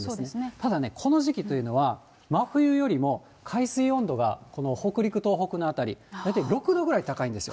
多田ね、この時期というのは、真冬よりも海水温度が、この北陸、東北の辺り、大体６度ぐらい高いんですよ。